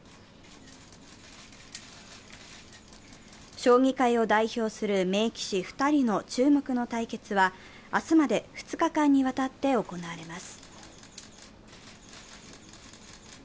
将棋界を代表する名棋士２人の注目の対決は明日まで２日間にわたって行われます。